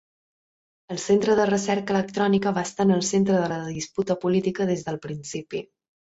El Centre de Recerca Electrònica va estar en el centre de la disputa política des del principi.